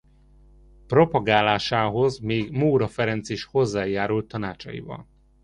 Propagálásához még Móra Ferenc is hozzájárult tanácsaival.